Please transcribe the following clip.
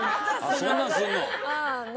そんなのするの？